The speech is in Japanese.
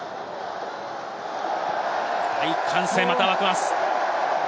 大歓声がまた沸きます。